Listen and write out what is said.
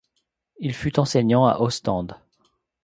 Il fut enseignant à Ostende.